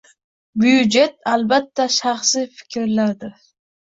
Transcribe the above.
Byudjet, albatta, shaxsij fikrlardir